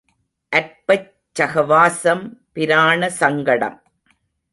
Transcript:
அற்பச் சகவாசம் பிராண சங்கடம்.